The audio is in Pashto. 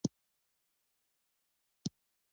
ازادي راډیو د د بشري حقونو نقض په اړه د نوښتونو خبر ورکړی.